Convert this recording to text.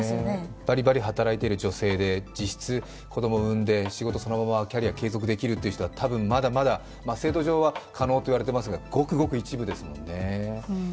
バリバリ働いている女性で実質子供を産んで、仕事そのままキャリア継続できるという人は、多分まだまだ、制度上は可能と言われていますが、ごくごく一部ですもんね。